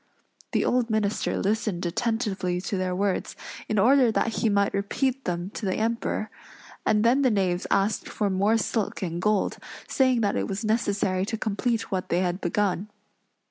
The old minister listened attentively to their words, in order that he might repeat them to the Emperor; and then the knaves asked for more silk and gold, saying that it was necessary to complete what they had begun.